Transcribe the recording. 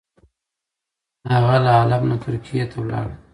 هغه له حلب نه ترکیې ته ولاړ.